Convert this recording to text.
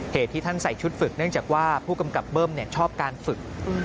เหตุที่ท่านใส่ชุดฝึกเนื่องจากว่าผู้กำกับเบิ้มชอบการฝึก